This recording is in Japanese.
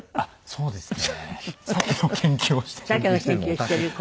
そうですね。